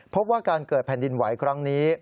พบว่าการเกิดแผ่นดินไหวครั้งนี้